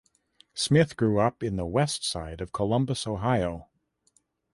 Smith grew up in the West side of Columbus Ohio.